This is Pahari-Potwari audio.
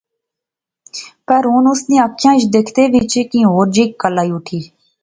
پر ہن اس نی اکھی وچ دیکھنے وچ کی ہور جئی کل آئی اٹھی